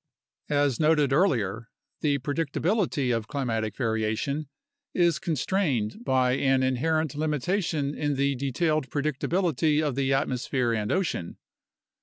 As noted earlier, the predictability of climatic variation is con strained by an inherent limitation in the detailed predicability of the atmosphere and ocean.